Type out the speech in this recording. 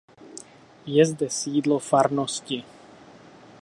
Je zde sídlo farnosti.